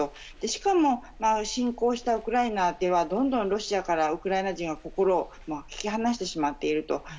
しかも侵攻したウクライナではどんどんロシアからウクライナ人の心を引き離してしまっていると。